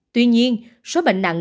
tuy nhiên số bệnh nặng